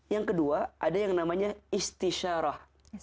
yang kedua ada yang namanya istisharoh